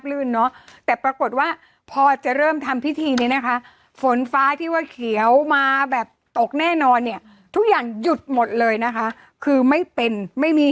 เลขอะไรอ่ะ๖อายุอยู่ยืนอ่ะ